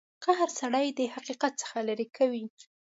قهر سړی د حقیقت څخه لرې کوي.